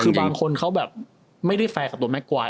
คือบางคนเขาแบบไม่ได้แฟร์กับตัวแม่กวาย